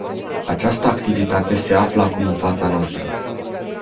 Această activitate se află acum în fața noastră.